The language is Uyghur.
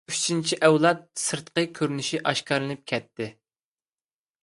ئۈچىنچى ئەۋلاد سىرتقى كۆرۈنۈشى ئاشكارىلىنىپ كەتتى.